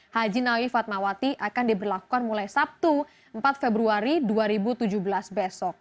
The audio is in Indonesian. haji nawi fatmawati akan diberlakukan mulai sabtu empat februari dua ribu tujuh belas besok